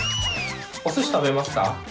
お寿司食べますか？